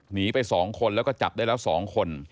หนีไป๒คนแล้วก็จับได้แล้ว๒คน